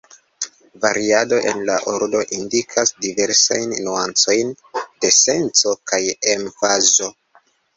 Variado en la ordo indikas diversajn nuancojn de senco kaj emfazo.